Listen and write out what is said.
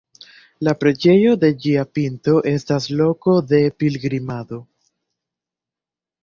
La preĝejo sur ĝia pinto estas loko de pilgrimado.